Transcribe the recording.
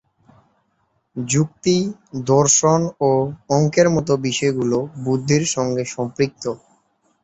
যুক্তি, দর্শন ও অঙ্কের মত বিষয়গুলো বুদ্ধির সঙ্গে সম্পৃক্ত।